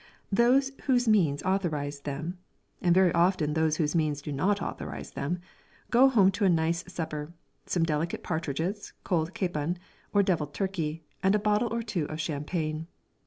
Those whose means authorise them, and very often those whose means do not authorise them, go home to a nice supper, some delicate partridges, cold capon, or deviled turkey, and a bottle or two of champagne.